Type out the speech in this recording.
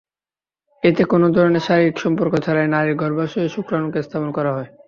এতে কোনো ধরনের শারীরিক সম্পর্ক ছাড়াই নারীর গর্ভাশয়ে শুক্রাণুকে স্থাপন করা হয়।